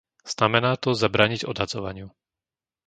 Znamená to zabrániť odhadzovaniu.